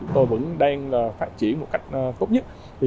tôi vẫn đang phát triển một cách tốt nhất